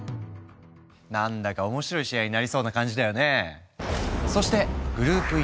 なんだか面白い試合になりそうな感じだよね！